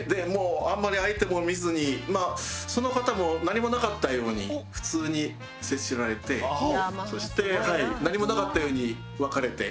あんまり相手も見ずにその方も何もなかったように普通に接しられてそして何もなかったように別れて店を出て別れましたね。